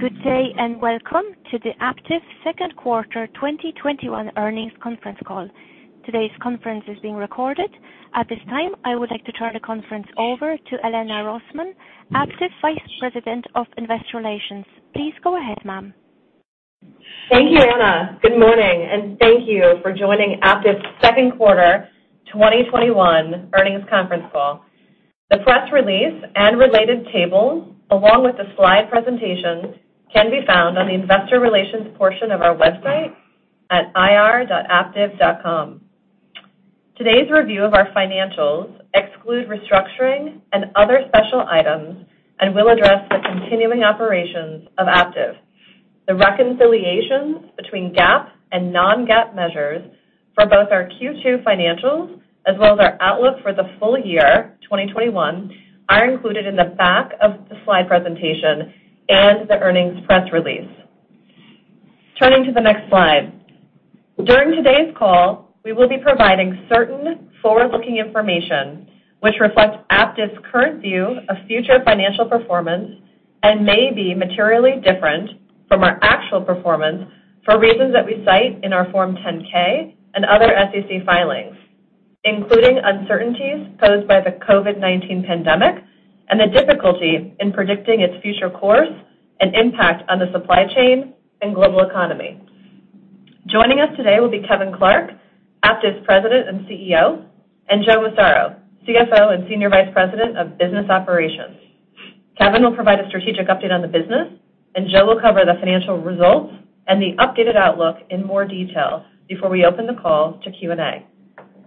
Good day, and welcome to the Aptiv second quarter 2021 earnings conference call. Today's conference is being recorded. At this time, I would like to turn the conference over to Elena Rosman, Aptiv Vice President of Investor Relations. Please go ahead, ma'am. Thank you, Anna. Good morning, and thank you for joining Aptiv's second quarter 2021 earnings conference call. The press release and related tables, along with the slide presentations, can be found on the investor relations portion of our website at ir.aptiv.com. Today's review of our financials exclude restructuring and other special items and will address the continuing operations of Aptiv. The reconciliations between GAAP and non-GAAP measures for both our Q2 financials as well as our outlook for the full year 2021 are included in the back of the slide presentation and the earnings press release. Turning to the next slide. During today's call, we will be providing certain forward-looking information which reflects Aptiv's current view of future financial performance and may be materially different from our actual performance for reasons that we cite in our Form 10-K and other SEC filings, including uncertainties posed by the COVID-19 pandemic and the difficulty in predicting its future course and impact on the supply chain and global economy. Joining us today will be Kevin Clark, Aptiv's President and CEO, and Joe Massaro, CFO and Senior Vice President of Business Operations. Kevin will provide a strategic update on the business, and Joe will cover the financial results and the updated outlook in more detail before we open the call to Q&A.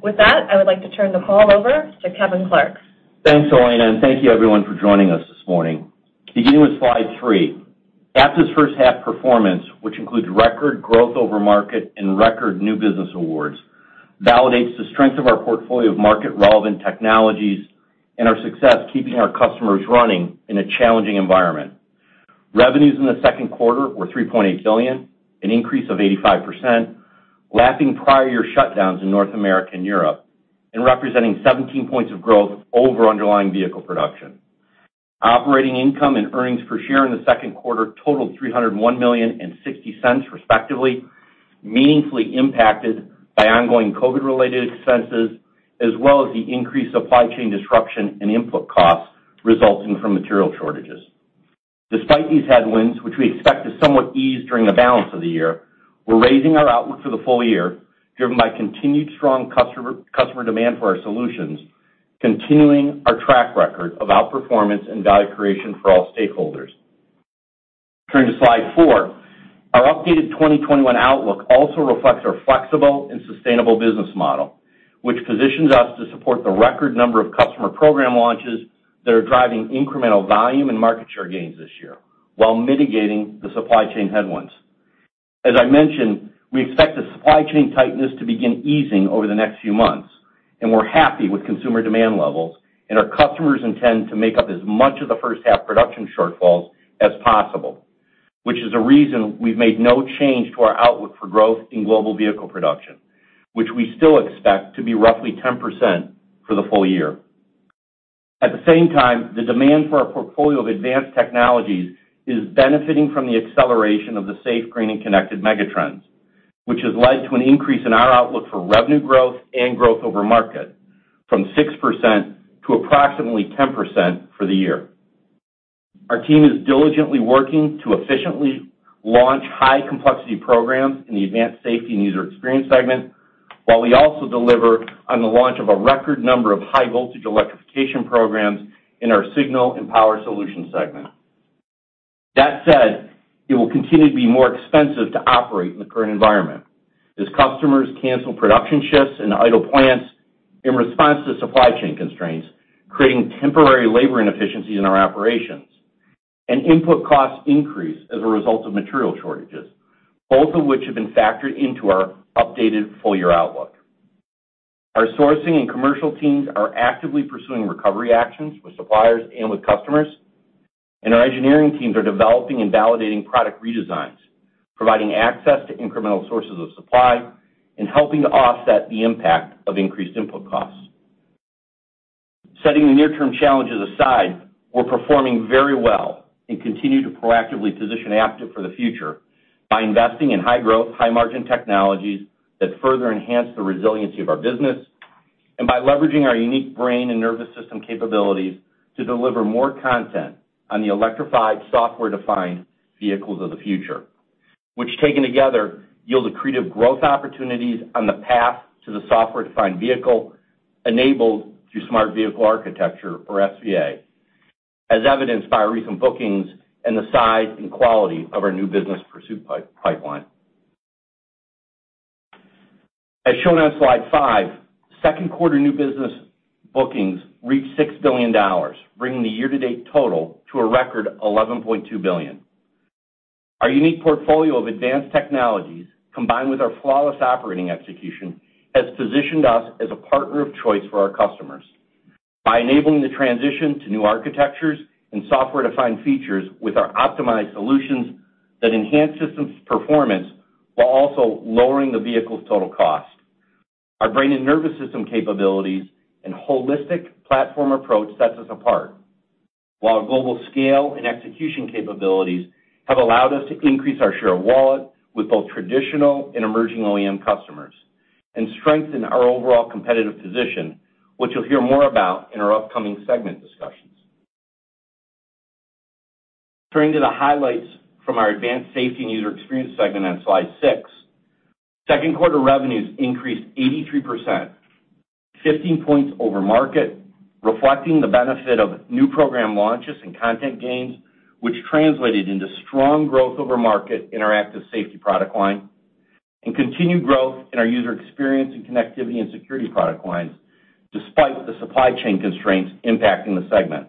With that, I would like to turn the call over to Kevin Clark. Thanks, Elena, and thank you everyone for joining us this morning. Beginning with slide three. Aptiv's first half performance, which includes record growth over market and record new business awards, validates the strength of our portfolio of market-relevant technologies and our success keeping our customers running in a challenging environment. Revenues in the second quarter were $3.8 billion, an increase of 85%, lapping prior year shutdowns in North America and Europe and representing 17 points of growth over underlying vehicle production. Operating income and earnings per share in the second quarter totaled $301 million and $0.60 respectively, meaningfully impacted by ongoing COVID-19-related expenses as well as the increased supply chain disruption and input costs resulting from material shortages. Despite these headwinds, which we expect to somewhat ease during the balance of the year, we're raising our outlook for the full year, driven by continued strong customer demand for our solutions, continuing our track record of outperformance and value creation for all stakeholders. Turning to slide four. Our updated 2021 outlook also reflects our flexible and sustainable business model, which positions us to support the record number of customer program launches that are driving incremental volume and market share gains this year while mitigating the supply chain headwinds. As I mentioned, we expect the supply chain tightness to begin easing over the next few months, and we're happy with consumer demand levels, and our customers intend to make up as much of the first half production shortfalls as possible, which is a reason we've made no change to our outlook for growth in global vehicle production, which we still expect to be roughly 10% for the full year. At the same time, the demand for our portfolio of advanced technologies is benefiting from the acceleration of the safe, green, and connected megatrends, which has led to an increase in our outlook for revenue growth and growth over market from 6% to approximately 10% for the year. Our team is diligently working to efficiently launch high-complexity programs in the Advanced Safety and User Experience segment, while we also deliver on the launch of a record number of high voltage electrification programs in our Signal and Power Solutions segment. That said, it will continue to be more expensive to operate in the current environment as customers cancel production shifts and idle plants in response to supply chain constraints, creating temporary labor inefficiencies in our operations and input costs increase as a result of material shortages, both of which have been factored into our updated full-year outlook. Our sourcing and commercial teams are actively pursuing recovery actions with suppliers and with customers, and our engineering teams are developing and validating product redesigns, providing access to incremental sources of supply and helping to offset the impact of increased input costs. Setting the near-term challenges aside, we're performing very well and continue to proactively position Aptiv for the future by investing in high-growth, high-margin technologies that further enhance the resiliency of our business and by leveraging our unique brain and nervous system capabilities to deliver more content on the electrified software-defined vehicles of the future, which taken together yield accretive growth opportunities on the path to the software-defined vehicle enabled through Smart Vehicle Architecture or SVA, as evidenced by recent bookings and the size and quality of our new business pursuit pipeline. As shown on slide five, second quarter new business bookings reached $6 billion, bringing the year-to-date total to a record $11.2 billion. Our unique portfolio of advanced technologies, combined with our flawless operating execution, has positioned us as a partner of choice for our customers by enabling the transition to new architectures and software-defined features with our optimized solutions that enhance systems performance while also lowering the vehicle's total cost. Our brain and nervous system capabilities and holistic platform approach sets us apart. While our global scale and execution capabilities have allowed us to increase our share of wallet with both traditional and emerging OEM customers and strengthen our overall competitive position, which you'll hear more about in our upcoming segment discussions. Turning to the highlights from our Advanced Safety and User Experience segment on slide six. Second quarter revenues increased 83%, 15 points over market, reflecting the benefit of new program launches and content gains, which translated into strong growth over market in our active safety product line and continued growth in our user experience and connectivity and security product lines, despite the supply chain constraints impacting the segment.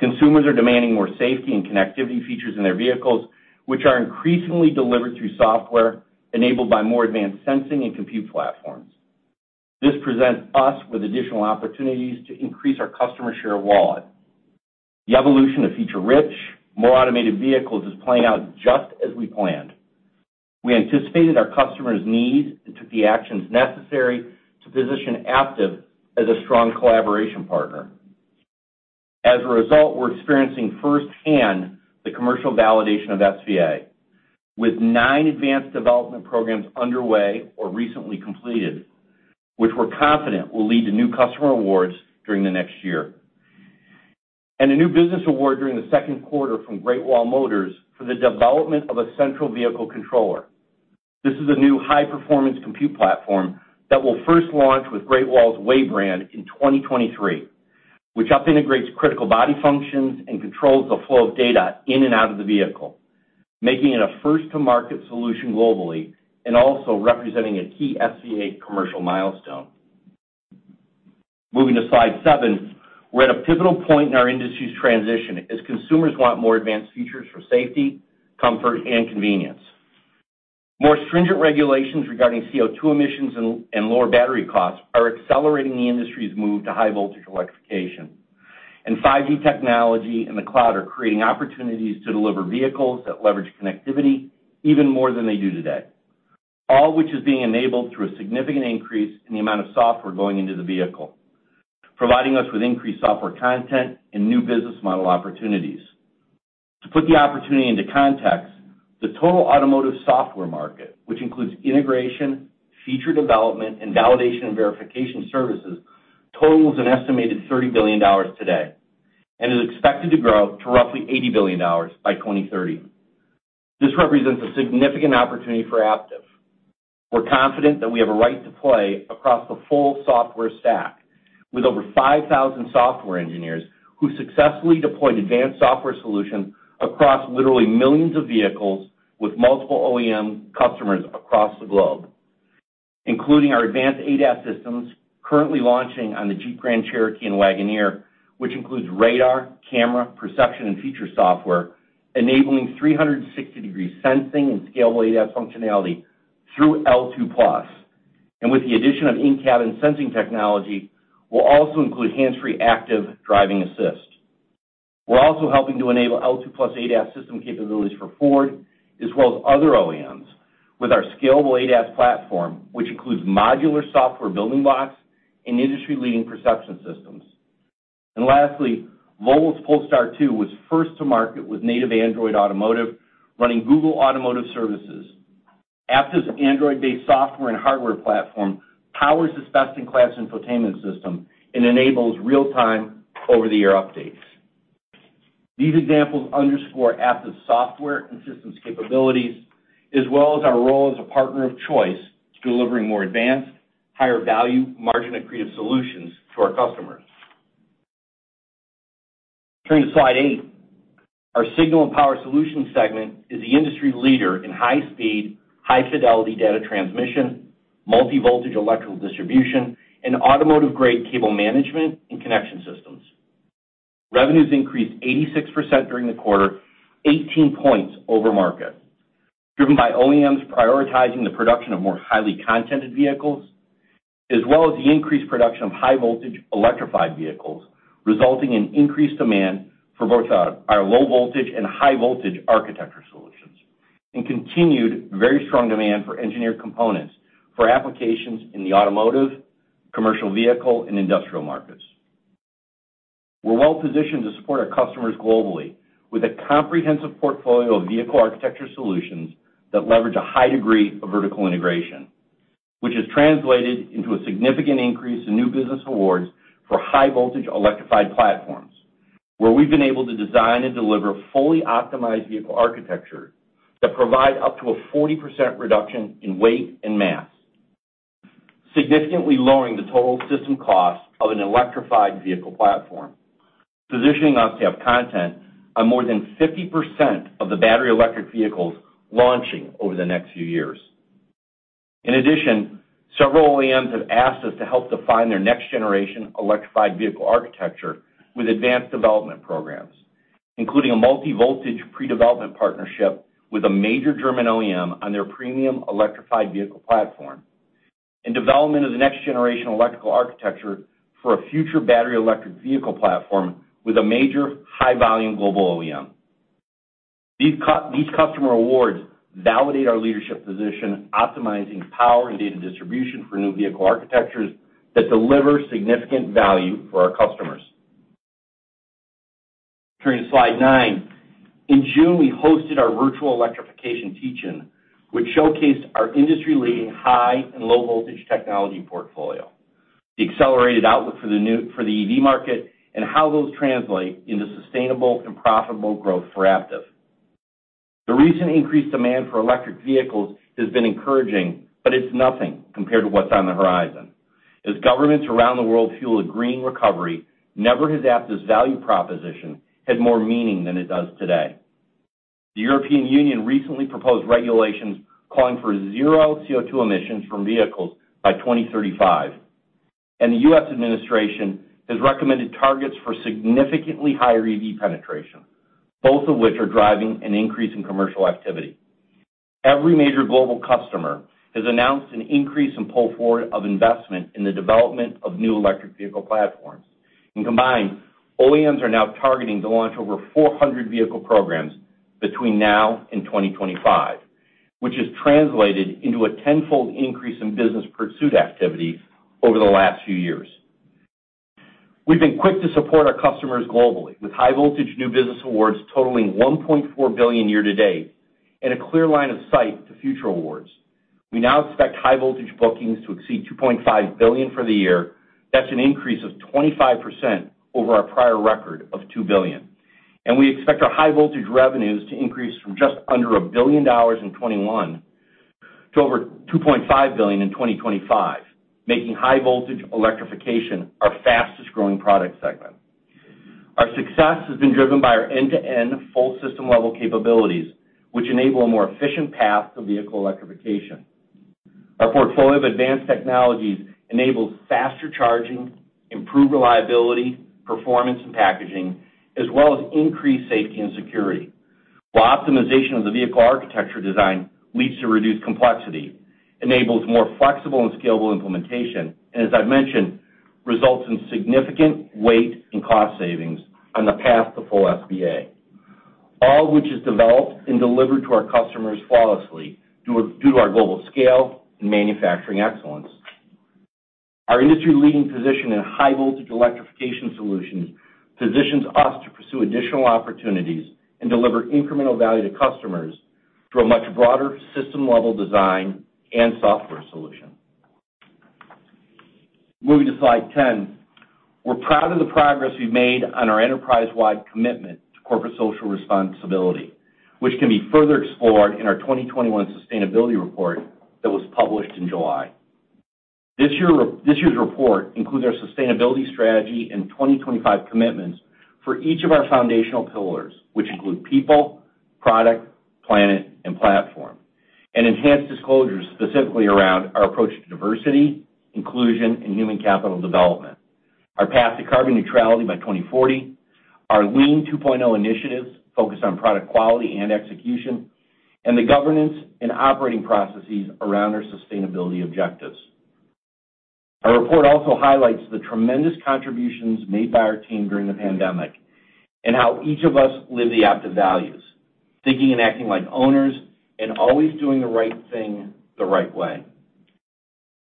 Consumers are demanding more safety and connectivity features in their vehicles, which are increasingly delivered through software enabled by more advanced sensing and compute platforms. This presents us with additional opportunities to increase our customer share wallet. The evolution of feature-rich, more automated vehicles is playing out just as we planned. We anticipated our customers' needs and took the actions necessary to position Aptiv as a strong collaboration partner. As a result, we're experiencing firsthand the commercial validation of SVA, with nine advanced development programs underway or recently completed, which we're confident will lead to new customer awards during the next year. A new business award during Q2 from Great Wall Motors for the development of a central vehicle controller. This is a new high-performance compute platform that will first launch with Great Wall's WEY brand in 2023, which up integrates critical body functions and controls the flow of data in and out of the vehicle, making it a first to market solution globally, and also representing a key SVA commercial milestone. Moving to slide seven. We're at a pivotal point in our industry's transition as consumers want more advanced features for safety, comfort, and convenience. More stringent regulations regarding CO2 emissions and lower battery costs are accelerating the industry's move to high voltage electrification. 5G technology and the cloud are creating opportunities to deliver vehicles that leverage connectivity even more than they do today. All which is being enabled through a significant increase in the amount of software going into the vehicle, providing us with increased software content and new business model opportunities. To put the opportunity into context, the total automotive software market, which includes integration, feature development, and validation and verification services, totals an estimated $30 billion today and is expected to grow to roughly $80 billion by 2030. This represents a significant opportunity for Aptiv. We're confident that we have a right to play across the full software stack with over 5,000 software engineers who successfully deploy advanced software solution across literally millions of vehicles with multiple OEM customers across the globe, including our advanced ADAS systems currently launching on the Jeep Grand Cherokee and Wagoneer, which includes radar, camera, perception, and feature software enabling 360-degree sensing and scalable ADAS functionality through L2+. With the addition of in-cabin sensing technology, will also include hands-free active driving assist. We're also helping to enable L2+ ADAS system capabilities for Ford as well as other OEMs with our scalable ADAS platform, which includes modular software building blocks and industry-leading perception systems. Lastly, Volvo's Polestar 2 was first to market with native Android Automotive running Google Automotive Services. Aptiv's Android-based software and hardware platform powers this best-in-class infotainment system and enables real-time over-the-air updates. These examples underscore Aptiv's software and systems capabilities as well as our role as a partner of choice to delivering more advanced, higher value, margin-accretive solutions to our customers. Turning to slide eight. Our Signal and Power Solutions segment is the industry leader in high-speed, high-fidelity data transmission, multi-voltage electrical distribution, and automotive-grade cable management and connection systems. Revenues increased 86% during the quarter, 18 points over market, driven by OEMs prioritizing the production of more highly contented vehicles, as well as the increased production of high-voltage electrified vehicles, resulting in increased demand for both our low-voltage and high-voltage architecture solutions and continued very strong demand for Engineered Components for applications in the automotive, commercial vehicle, and industrial markets. We're well-positioned to support our customers globally with a comprehensive portfolio of vehicle architecture solutions that leverage a high degree of vertical integration, which has translated into a significant increase in new business awards for high-voltage electrified platforms, where we've been able to design and deliver fully optimized vehicle architecture that provide up to a 40% reduction in weight and mass, significantly lowering the total system cost of an electrified vehicle platform, positioning us to have content on more than 50% of the battery electric vehicles launching over the next few years. In addition, several OEMs have asked us to help define their next generation electrified vehicle architecture with advanced development programs, including a multi-voltage pre-development partnership with a major German OEM on their premium electrified vehicle platform and development of the next generation electrical architecture for a future battery electric vehicle platform with a major high-volume global OEM. These customer awards validate our leadership position, optimizing power and data distribution for new vehicle architectures that deliver significant value for our customers. Turning to slide nine. In June, we hosted our virtual electrification teach-in, which showcased our industry-leading high and low voltage technology portfolio, the accelerated outlook for the EV market, and how those translate into sustainable and profitable growth for Aptiv. The recent increased demand for electric vehicles has been encouraging, but it's nothing compared to what's on the horizon. As governments around the world fuel a green recovery, never has Aptiv's value proposition had more meaning than it does today. The European Union recently proposed regulations calling for zero CO2 emissions from vehicles by 2035, and the U.S. Administration has recommended targets for significantly higher EV penetration, both of which are driving an increase in commercial activity. Every major global customer has announced an increase in pull-forward of investment in the development of new electric vehicle platforms. Combined, OEMs are now targeting to launch over 400 vehicle programs between now and 2025, which has translated into a tenfold increase in business pursuit activity over the last few years. We've been quick to support our customers globally with high voltage new business awards totaling $1.4 billion year to date and a clear line of sight to future awards. We now expect high voltage bookings to exceed $2.5 billion for the year. That's an increase of 25% over our prior record of $2 billion. We expect our high voltage revenues to increase from just under $1 billion in 2021 to over $2.5 billion in 2025, making high voltage electrification our fastest-growing product segment. Our success has been driven by our end-to-end full system-level capabilities, which enable a more efficient path to vehicle electrification. Our portfolio of advanced technologies enables faster charging, improved reliability, performance, and packaging, as well as increased safety and security. While optimization of the vehicle architecture design leads to reduced complexity, enables more flexible and scalable implementation, and as I've mentioned, results in significant weight and cost savings on the path to full SVA. All which is developed and delivered to our customers flawlessly due to our global scale and manufacturing excellence. Our industry-leading position in high voltage electrification solutions positions us to pursue additional opportunities and deliver incremental value to customers through a much broader system-level design and software solution. Moving to slide 10. We're proud of the progress we've made on our enterprise-wide commitment to corporate social responsibility, which can be further explored in our 2021 sustainability report that was published in July. This year's report includes our sustainability strategy and 2025 commitments for each of our foundational pillars, which include people, product, planet, and platform, and enhanced disclosures specifically around our approach to diversity, inclusion, and human capital development, our path to carbon neutrality by 2040, our Lean 2.0 initiatives focused on product quality and execution, and the governance and operating processes around our sustainability objectives. Our report also highlights the tremendous contributions made by our team during the pandemic and how each of us live the Aptiv values, thinking and acting like owners, and always doing the right thing the right way.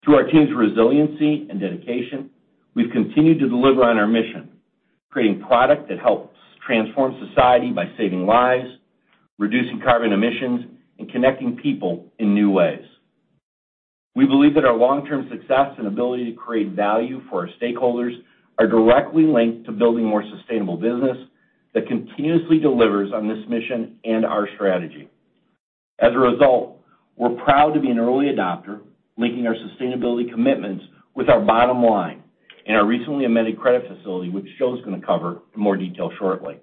Through our team's resiliency and dedication, we've continued to deliver on our mission, creating product that helps transform society by saving lives, reducing carbon emissions, and connecting people in new ways. We believe that our long-term success and ability to create value for our stakeholders are directly linked to building more sustainable business that continuously delivers on this mission and our strategy. As a result, we're proud to be an early adopter, linking our sustainability commitments with our bottom line in our recently amended credit facility, which Joe's gonna cover in more detail shortly.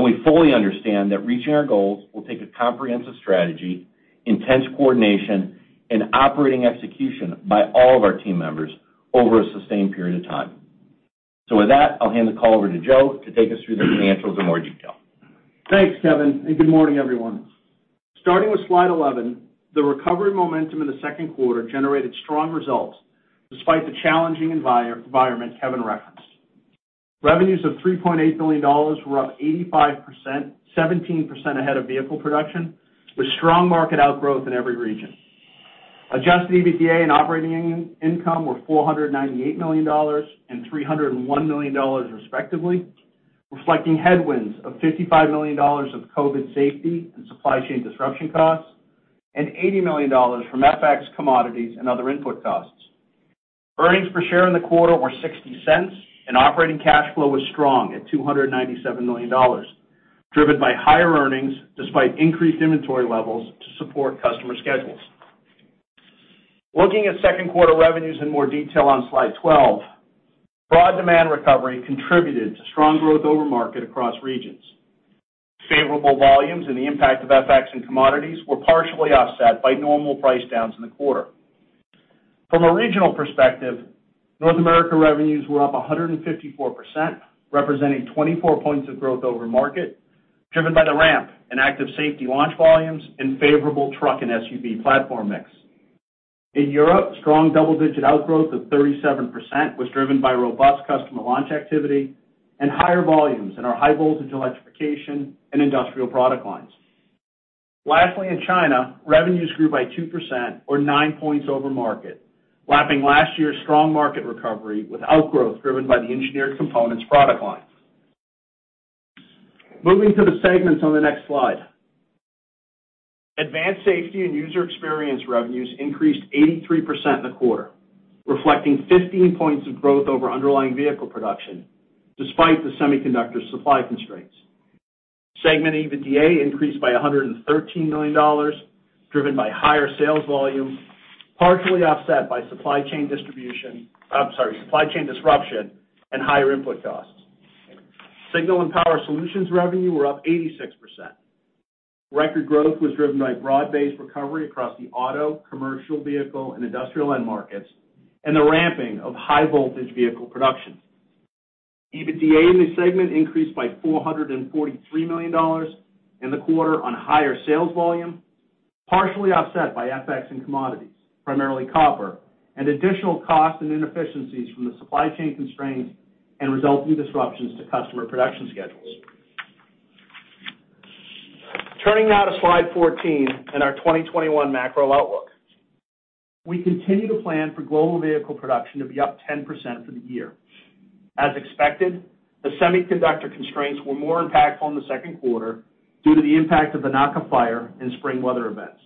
We fully understand that reaching our goals will take a comprehensive strategy, intense coordination, and operating execution by all of our team members over a sustained period of time. With that, I'll hand the call over to Joe to take us through the financials in more detail. Thanks, Kevin. Good morning, everyone. Starting with slide 11, the recovery momentum in the second quarter generated strong results despite the challenging environment Kevin referenced. Revenues of $3.8 billion were up 85%, 17% ahead of vehicle production, with strong market outgrowth in every region. Adjusted EBITDA and operating income were $498 million and $301 million respectively, reflecting headwinds of $55 million of COVID safety and supply chain disruption costs and $80 million from FX commodities and other input costs. Earnings per share in the quarter were $0.60, operating cash flow was strong at $297 million, driven by higher earnings despite increased inventory levels to support customer schedules. Looking at second quarter revenues in more detail on slide 12, broad demand recovery contributed to strong growth over market across regions. Favorable volumes and the impact of FX and commodities were partially offset by normal price downs in the quarter. From a regional perspective, North America revenues were up 154%, representing 24 points of growth over market, driven by the ramp in active safety launch volumes and favorable truck and SUV platform mix. In Europe, strong double-digit outgrowth of 37% was driven by robust customer launch activity and higher volumes in our high voltage electrification and industrial product lines. Lastly, in China, revenues grew by 2% or 9 points over market, lapping last year's strong market recovery with outgrowth driven by the Engineered Components product line. Moving to the segments on the next slide. Advanced Safety and User Experience revenues increased 83% in the quarter, reflecting 15 points of growth over underlying vehicle production, despite the semiconductor supply constraints. Segment EBITDA increased by $113 million, driven by higher sales volume, partially offset by supply chain disruption and higher input costs. Signal and Power Solutions revenue were up 86%. Record growth was driven by broad-based recovery across the auto, commercial vehicle, and industrial end markets, and the ramping of high voltage vehicle production. EBITDA in this segment increased by $443 million in the quarter on higher sales volume, partially offset by FX and commodities, primarily copper, and additional costs and inefficiencies from the supply chain constraints and resulting disruptions to customer production schedules. Turning now to slide 14 and our 2021 macro outlook. We continue to plan for global vehicle production to be up 10% for the year. As expected, the semiconductor constraints were more impactful in the second quarter due to the impact of the Naka fire and spring weather events.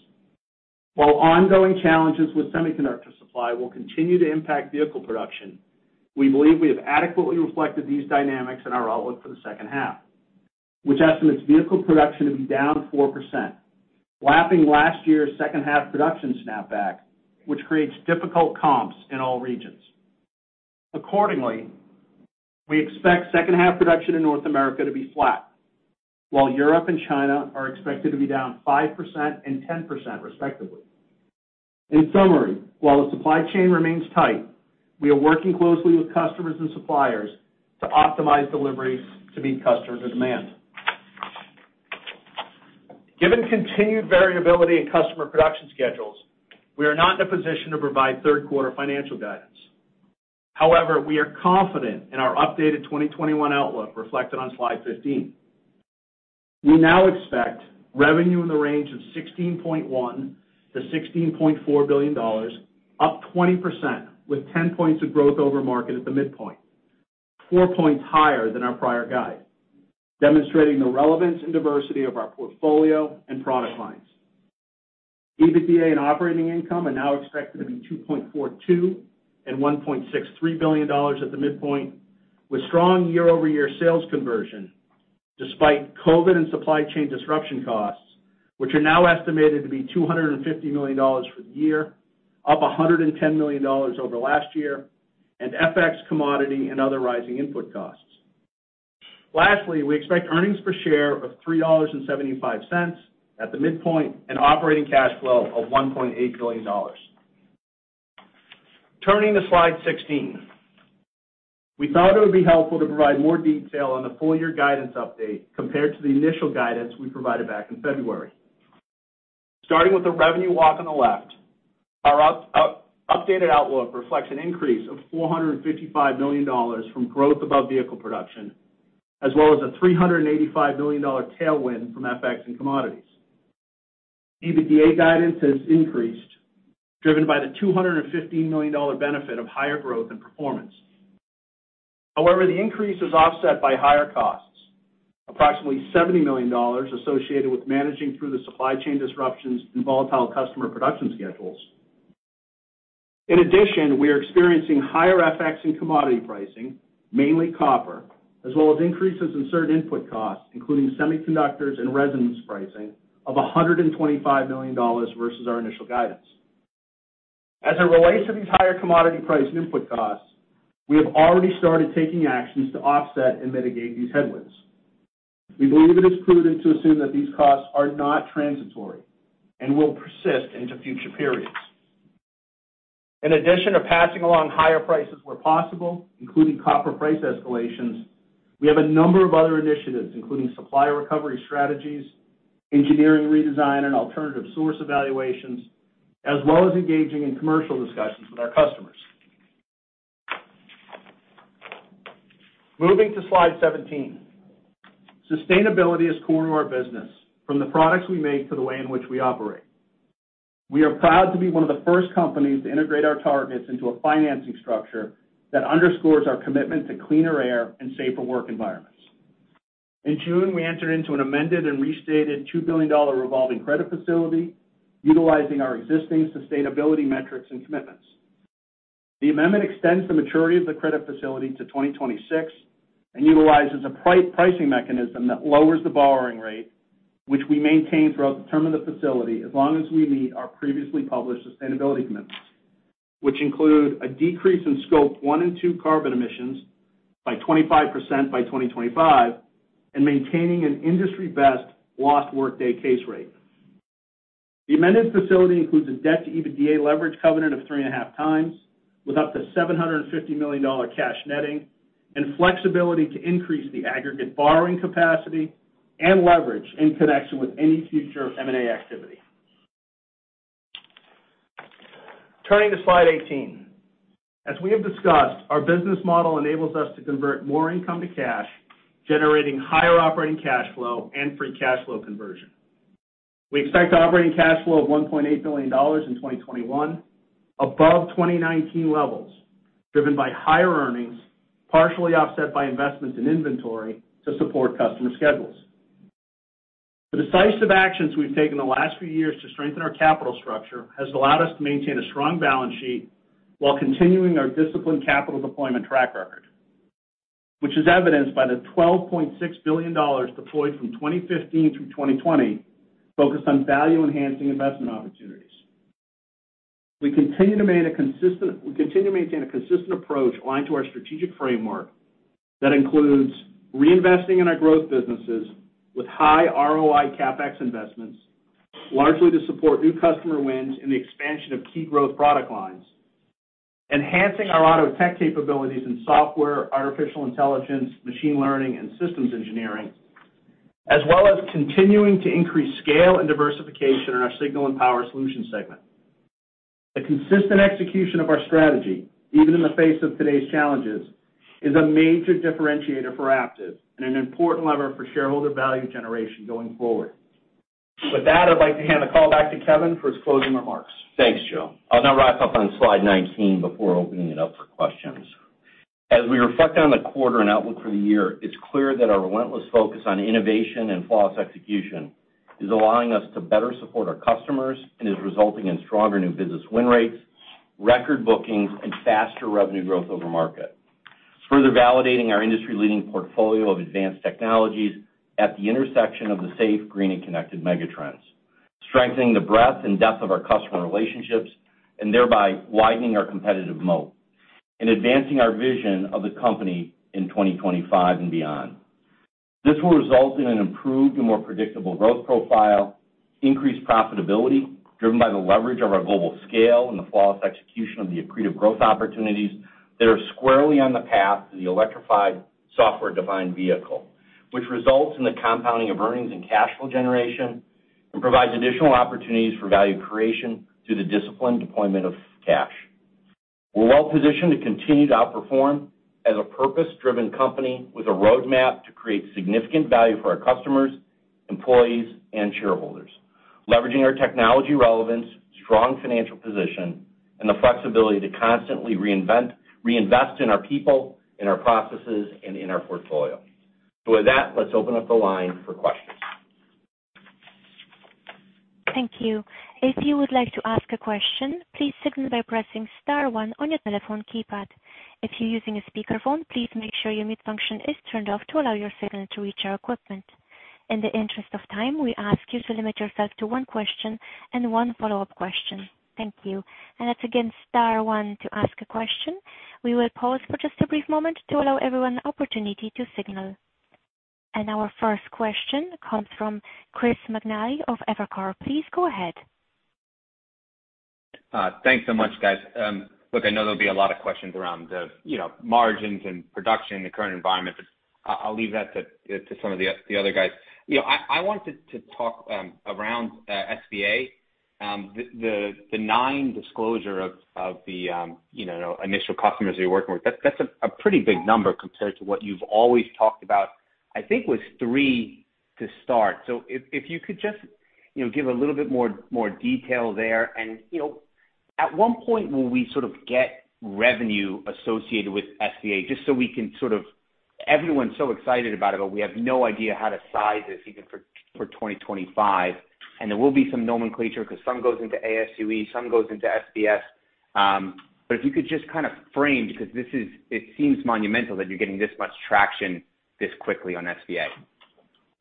While ongoing challenges with semiconductor supply will continue to impact vehicle production, we believe we have adequately reflected these dynamics in our outlook for the second half, which estimates vehicle production to be down 4%, lapping last year's second half production snapback, which creates difficult comps in all regions. Accordingly, we expect second half production in North America to be flat, while Europe and China are expected to be down 5% and 10%, respectively. In summary, while the supply chain remains tight, we are working closely with customers and suppliers to optimize deliveries to meet customer demand. Given continued variability in customer production schedules, we are not in a position to provide third quarter financial guidance. However, we are confident in our updated 2021 outlook reflected on slide 15. We now expect revenue in the range of $16.1 billion-$16.4 billion, up 20% with 10 points of growth over market at the midpoint, 4 points higher than our prior guide, demonstrating the relevance and diversity of our portfolio and product lines. EBITDA and operating income are now expected to be $2.42 billion and $1.63 billion at the midpoint, with strong year-over-year sales conversion despite COVID and supply chain disruption costs, which are now estimated to be $250 million for the year, up $110 million over last year, and FX, commodity, and other rising input costs. Lastly, we expect earnings per share of $3.75 at the midpoint and operating cash flow of $1.8 billion. Turning to slide 16. We thought it would be helpful to provide more detail on the full year guidance update compared to the initial guidance we provided back in February. Starting with the revenue walk on the left, our updated outlook reflects an increase of $455 million from growth above vehicle production, as well as a $385 million tailwind from FX and commodities. EBITDA guidance has increased, driven by the $215 million benefit of higher growth and performance. However, the increase is offset by higher costs, approximately $70 million associated with managing through the supply chain disruptions and volatile customer production schedules. In addition, we are experiencing higher FX and commodity pricing, mainly copper, as well as increases in certain input costs, including semiconductors and resins pricing of $125 million versus our initial guidance. As it relates to these higher commodity price and input costs, we have already started taking actions to offset and mitigate these headwinds. We believe it is prudent to assume that these costs are not transitory and will persist into future periods. In addition to passing along higher prices where possible, including copper price escalations, we have a number of other initiatives, including supplier recovery strategies, engineering redesign, and alternative source evaluations, as well as engaging in commercial discussions with our customers. Moving to slide 17. Sustainability is core to our business, from the products we make to the way in which we operate. We are proud to be one of the first companies to integrate our targets into a financing structure that underscores our commitment to cleaner air and safer work environments. In June, we entered into an amended and restated $2 billion revolving credit facility utilizing our existing sustainability metrics and commitments. The amendment extends the maturity of the credit facility to 2026 and utilizes a pricing mechanism that lowers the borrowing rate, which we maintain throughout the term of the facility as long as we meet our previously published sustainability commitments, which include a decrease in Scope 1 and 2 carbon emissions by 25% by 2025 and maintaining an industry-best lost workday case rate. The amended facility includes a debt-to-EBITDA leverage covenant of 3.5x with up to $750 million cash netting and flexibility to increase the aggregate borrowing capacity and leverage in connection with any future M&A activity. Turning to slide 18. As we have discussed, our business model enables us to convert more income to cash, generating higher operating cash flow and free cash flow conversion. We expect operating cash flow of $1.8 billion in 2021, above 2019 levels, driven by higher earnings, partially offset by investments in inventory to support customer schedules. The decisive actions we've taken the last few years to strengthen our capital structure has allowed us to maintain a strong balance sheet while continuing our disciplined capital deployment track record, which is evidenced by the $12.6 billion deployed from 2015 through 2020, focused on value-enhancing investment opportunities. We continue to maintain a consistent approach aligned to our strategic framework that includes reinvesting in our growth businesses with high ROI CapEx investments, largely to support new customer wins in the expansion of key growth product lines, enhancing our auto tech capabilities in software, artificial intelligence, machine learning, and systems engineering, as well as continuing to increase scale and diversification in our Signal and Power Solutions segment. The consistent execution of our strategy, even in the face of today's challenges, is a major differentiator for Aptiv and an important lever for shareholder value generation going forward. With that, I'd like to hand the call back to Kevin for his closing remarks. Thanks, Joe. I'll now wrap up on slide 19 before opening it up for questions. As we reflect on the quarter and outlook for the year, it's clear that our relentless focus on innovation and flawless execution is allowing us to better support our customers and is resulting in stronger new business win rates, record bookings, and faster revenue growth over market. It's further validating our industry-leading portfolio of advanced technologies at the intersection of the safe, green, and connected megatrends, strengthening the breadth and depth of our customer relationships, and thereby widening our competitive moat and advancing our vision of the company in 2025 and beyond. This will result in an improved and more predictable growth profile, increased profitability, driven by the leverage of our global scale and the flawless execution of the accretive growth opportunities that are squarely on the path to the electrified software-defined vehicle, which results in the compounding of earnings and cash flow generation and provides additional opportunities for value creation through the disciplined deployment of cash. We're well-positioned to continue to outperform as a purpose-driven company with a roadmap to create significant value for our customers, employees, and shareholders, leveraging our technology relevance, strong financial position, and the flexibility to constantly reinvest in our people, in our processes, and in our portfolio. With that, let's open up the line for questions. Thank you. If you would like to ask a question, please signal by pressing star one on your telephone keypad. If you're using a speakerphone, please make sure your mute function is turned off to allow your signal to reach our equipment. In the interest of time, we ask you to limit yourself to one question and one follow-up question. Thank you. That's again star one to ask a question. We will pause for just a brief moment to allow everyone the opportunity to signal. Our first question comes from Chris McNally of Evercore. Please go ahead. Thanks so much, guys. Look, I know there'll be a lot of questions around the margins and production in the current environment, but I'll leave that to some of the other guys. I wanted to talk around SVA, the nine disclosure of the initial customers you're working with. That's a pretty big number compared to what you've always talked about, I think was three to start. If you could just give a little bit more detail there and at what point will we sort of get revenue associated with SVA. Everyone's so excited about it, but we have no idea how to size this even for 2025. There will be some nomenclature because some goes into AS&UX, some goes into SPS. If you could just kind of frame because it seems monumental that you're getting this much traction this quickly on SVA.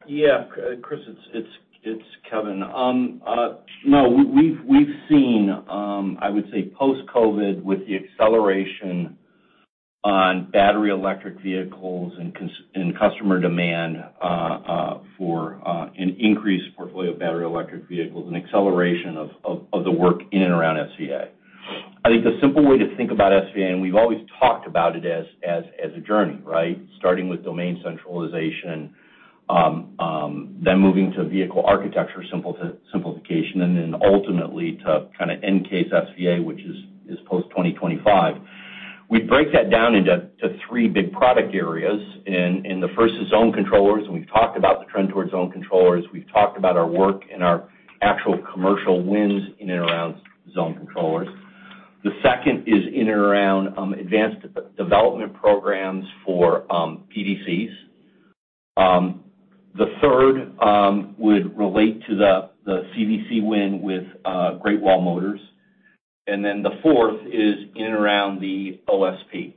Yeah, Chris, it's Kevin. No, we've seen, I would say, post-COVID with the acceleration on battery electric vehicles and customer demand, for an increased portfolio of battery electric vehicles, an acceleration of the work in and around SVA. I think the simple way to think about SVA. We've always talked about it as a journey, right? Starting with domain centralization, then moving to vehicle architecture simplification, and then ultimately to kind of end case SVA, which is post-2025. We break that down into three big product areas. The first is zone controllers. We've talked about the trend towards zone controllers. We've talked about our work and our actual commercial wins in and around zone controllers. The second is in and around advanced development programs for PDCs. The third would relate to the CVC win with Great Wall Motors. The fourth is in and around the OSP.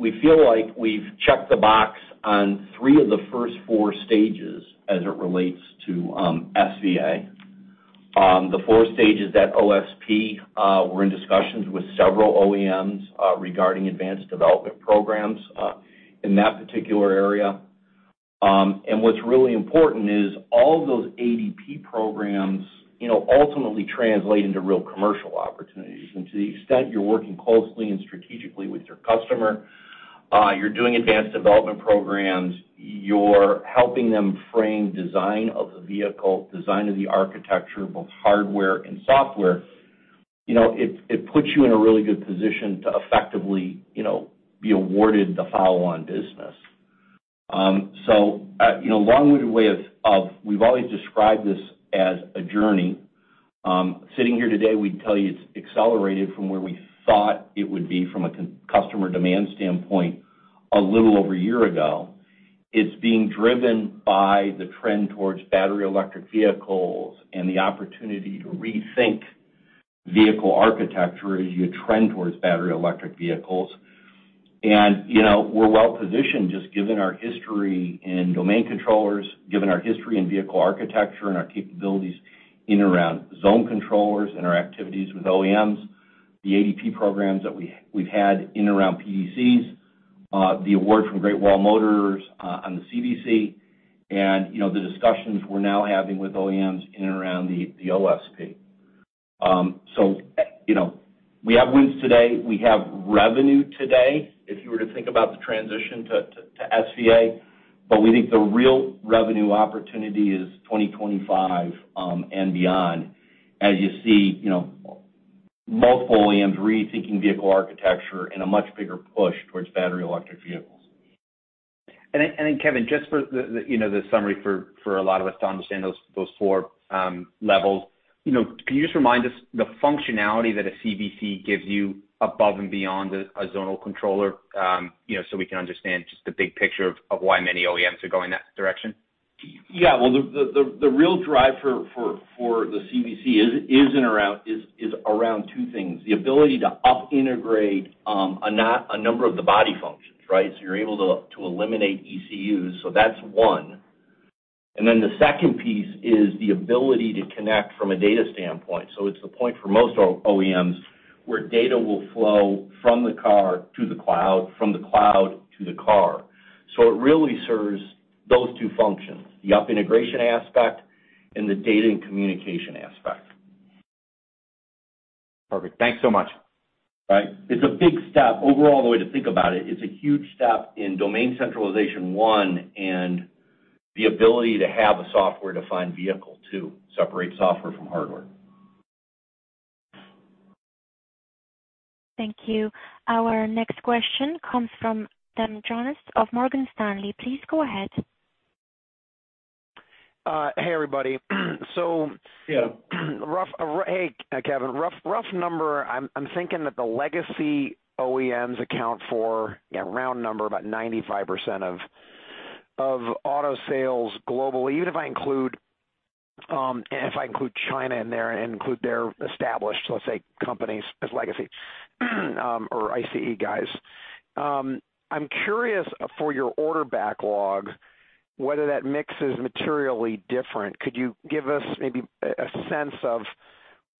We feel like we've checked the box on three of the first four stages as it relates to SVA. The fourth stage is that OSP. We're in discussions with several OEMs regarding advanced development programs in that particular area. What's really important is all those ADP programs ultimately translate into real commercial opportunities. To the extent you're working closely and strategically with your customer, you're doing advanced development programs, you're helping them frame design of the vehicle, design of the architecture, both hardware and software, it puts you in a really good position to effectively be awarded the follow-on business. We've always described this as a journey. Sitting here today, we'd tell you it's accelerated from where we thought it would be from a customer demand standpoint a little over a year ago. It's being driven by the trend towards battery electric vehicles and the opportunity to rethink vehicle architecture as you trend towards battery electric vehicles. We're well-positioned just given our history in domain controllers, given our history in vehicle architecture and our capabilities in and around zone controllers and our activities with OEMs, the ADP programs that we've had in and around PDCs, the award from Great Wall Motors on the CVC, and the discussions we're now having with OEMs in and around the OSP. We have wins today, we have revenue today, if you were to think about the transition to SVA. We think the real revenue opportunity is 2025 and beyond as you see multiple OEMs rethinking vehicle architecture and a much bigger push towards battery electric vehicles. Kevin, just for the summary for a lot of us to understand those four levels, can you just remind us the functionality that a CVC gives you above and beyond a zonal controller, so we can understand just the big picture of why many OEMs are going that direction? Yeah. Well, the real drive for the CVC is around two things, the ability to up integrate a number of the body functions, right? You're able to eliminate ECUs, so that's one. The second piece is the ability to connect from a data standpoint. It's the point for most OEMs where data will flow from the car to the cloud, from the cloud to the car. It really serves those two functions, the up integration aspect and the data and communication aspect. Perfect. Thanks so much. Right. It's a big step. Overall, the way to think about it's a huge step in domain centralization, one, and the ability to have a software-defined vehicle, two, separate software from hardware. Thank you. Our next question comes from Adam Jonas of Morgan Stanley. Please go ahead. Hey, everybody. Yeah. Hey, Kevin. Rough number, I'm thinking that the legacy OEMs account for a round number, about 95% of auto sales globally, even if I include China in there and include their established, let's say, companies as legacy or ICE guys. I'm curious for your order backlog, whether that mix is materially different. Could you give us maybe a sense of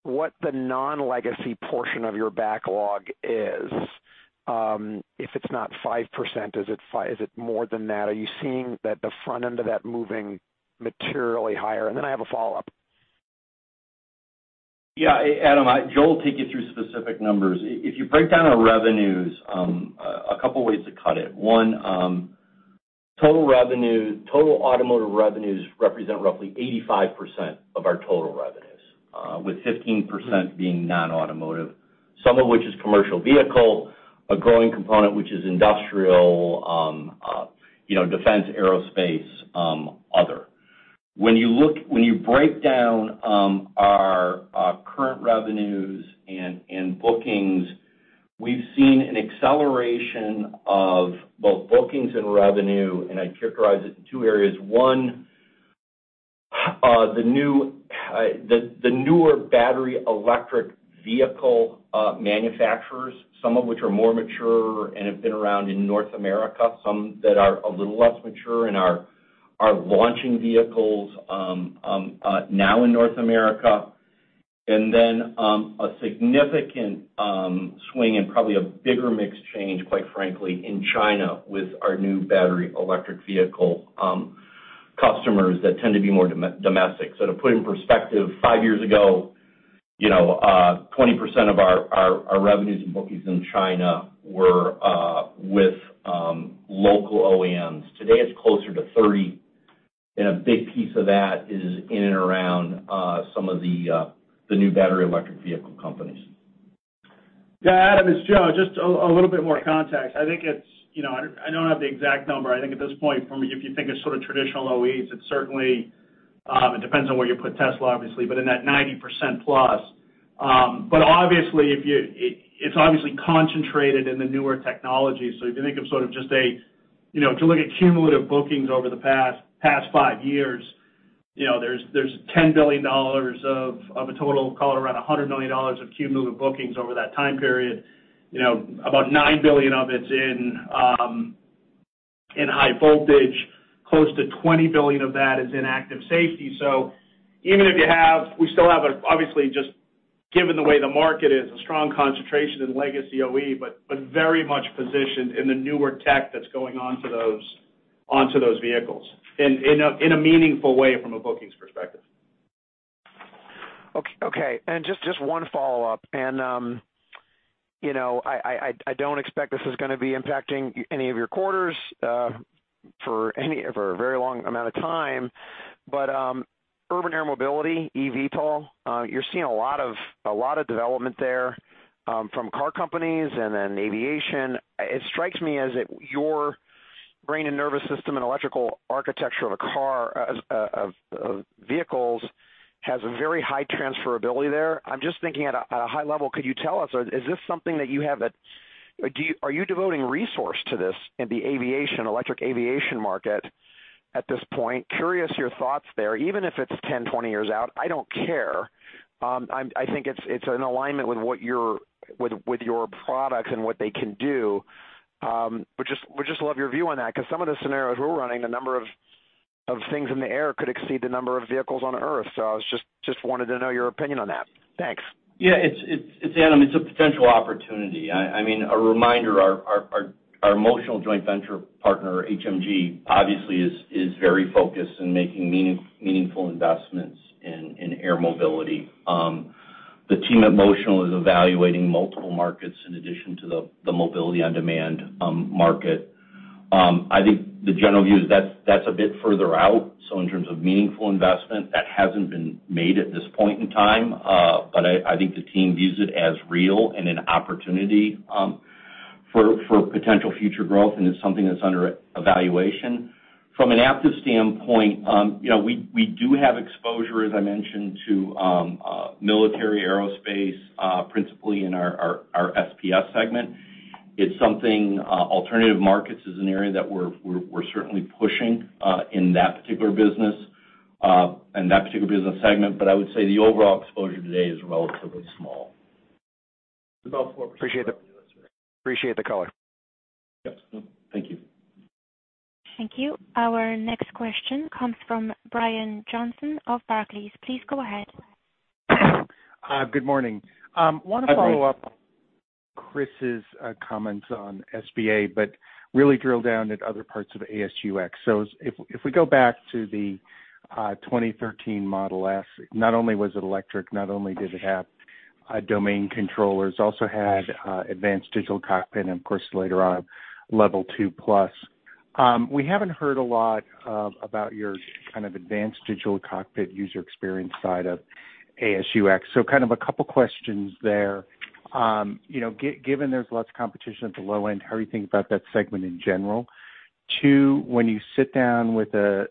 what the non-legacy portion of your backlog is? If it's not 5%, is it more than that? Are you seeing that the front end of that moving materially higher? I have a follow-up. Adam, Joe will take you through specific numbers. If you break down our revenues, a couple ways to cut it. One, total automotive revenues represent roughly 85% of our total revenues, with 15% being non-automotive. Some of which is commercial vehicle, a growing component which is industrial, defense, aerospace, other. When you break down our current revenues and bookings, we've seen an acceleration of both bookings and revenue, and I'd characterize it in two areas. One, the newer battery electric vehicle manufacturers, some of which are more mature and have been around in North America, some that are a little less mature and are launching vehicles now in North America. A significant swing and probably a bigger mix change, quite frankly, in China with our new battery electric vehicle customers that tend to be more domestic. To put it in perspective, five years ago, 20% of our revenues and bookings in China were with local OEMs. Today, it's closer to 30%, and a big piece of that is in and around some of the new battery electric vehicle companies. Yeah, Adam, it's Joe. Just a little bit more context. I don't have the exact number. I think at this point, if you think of sort of traditional OEs, it depends on where you put Tesla, obviously, but in that 90%+. It's obviously concentrated in the newer technology. If you look at cumulative bookings over the past five years, there's $10 billion of a total call it around $100 million of cumulative bookings over that time period. About $9 billion of it's in high voltage, close to $20 billion of that is in active safety. Given the way the market is, a strong concentration in legacy OE, but very much positioned in the newer tech that's going onto those vehicles in a meaningful way from a bookings perspective. Okay. Just one follow-up. I don't expect this is going to be impacting any of your quarters for a very long amount of time. Urban Air Mobility, eVTOL, you're seeing a lot of development there from car companies and then aviation. It strikes me as if your brain and nervous system and electrical architecture of a car, of vehicles, has a very high transferability there. I'm just thinking at a high level, could you tell us, is this something that you have? Are you devoting resource to this in the electric aviation market at this point? Curious your thoughts there. Even if it's 10, 20 years out, I don't care. I think it's in alignment with your products and what they can do. Would just love your view on that, because some of the scenarios we're running, the number of things in the air could exceed the number of vehicles on Earth. I just wanted to know your opinion on that. Thanks. It's a potential opportunity. A reminder, our Motional joint venture partner, HMG, obviously is very focused in making meaningful investments in air mobility. The team at Motional is evaluating multiple markets in addition to the mobility-on-demand market. I think the general view is that's a bit further out. In terms of meaningful investment, that hasn't been made at this point in time. I think the team views it as real and an opportunity for potential future growth, and it's something that's under evaluation. From an Aptiv standpoint, we do have exposure, as I mentioned, to military aerospace, principally in our SPS segment. Alternative markets is an area that we're certainly pushing in that particular business segment. I would say the overall exposure today is relatively small. It's about 4%. Appreciate that. Appreciate the color. Yes. Thank you. Thank you. Our next question comes from Brian Johnson of Barclays. Please go ahead. Good morning. I want to follow up Chris's comments on SVA, really drill down at other parts of AS&UX. If we go back to the 2013 Model S, not only was it electric, not only did it have domain controllers, also had advanced digital cockpit and, of course, later on, Level 2+. We haven't heard a lot about your kind of advanced digital cockpit user experience side of AS&UX. Kind of a couple of questions there. Given there's lots of competition at the low end, how are you thinking about that segment in general? Two, when you sit down with a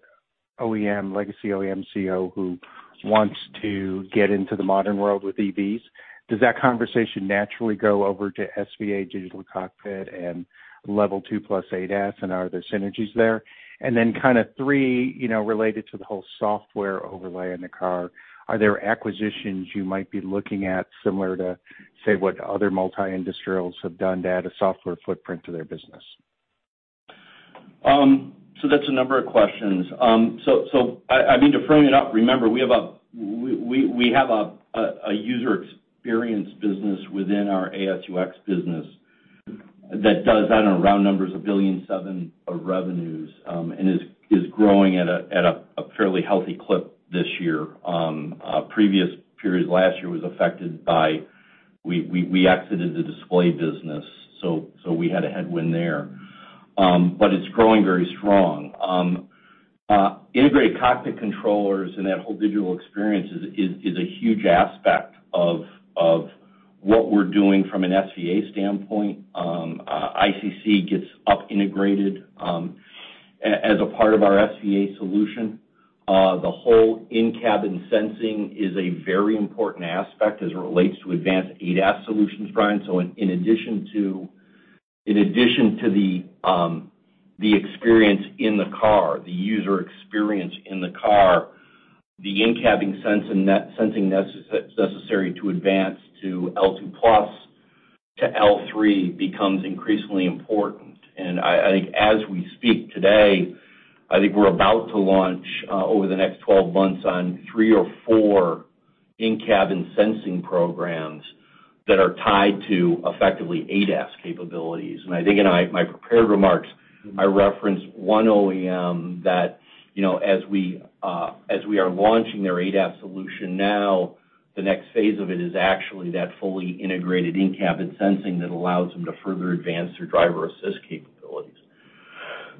legacy OEM CEO who wants to get into the modern world with EVs, does that conversation naturally go over to SVA digital cockpit and Level 2+ ADAS, and are there synergies there? Then kind of three, related to the whole software overlay in the car, are there acquisitions you might be looking at similar to, say, what other multi-industrials have done to add a software footprint to their business? That's a number of questions. I mean, to frame it up, remember, we have a user experience business within our AS&UX business that does, I don't know, round numbers of 1.7 billion of revenues and is growing at a fairly healthy clip this year. Previous periods last year, we exited the display business, so we had a headwind there. It's growing very strong. Integrated Cockpit Controllers and that whole digital experience is a huge aspect of what we're doing from an SVA standpoint. ICC gets up integrated as a part of our SVA solution. The whole in-cabin sensing is a very important aspect as it relates to advanced ADAS solutions, Brian. In addition to the experience in the car, the user experience in the car, the in-cabin sensing necessary to advance to L2+ to L3 becomes increasingly important. I think as we speak today, I think we're about to launch over the next 12 months on three or four in-cabin sensing programs that are tied to effectively ADAS capabilities. I think in my prepared remarks, I referenced one OEM that as we are launching their ADAS solution now, the next phase of it is actually that fully integrated in-cabin sensing that allows them to further advance their driver assist capabilities.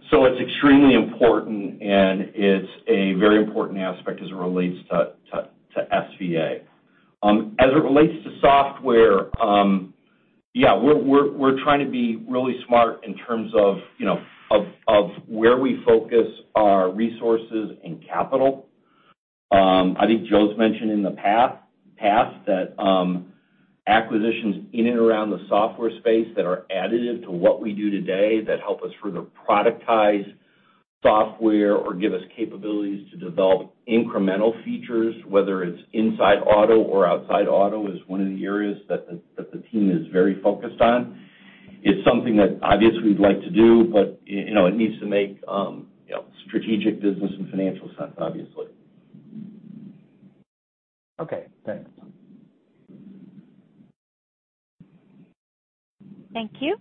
It's extremely important, and it's a very important aspect as it relates to SVA. As it relates to software, yeah, we're trying to be really smart in terms of where we focus our resources and capital. I think Joe's mentioned in the past that acquisitions in and around the software space that are additive to what we do today that help us further productize software or give us capabilities to develop incremental features, whether it's inside auto or outside auto, is one of the areas that the team is very focused on. It's something that obviously we'd like to do, but it needs to make strategic business and financial sense, obviously. Okay, thanks. Thank you.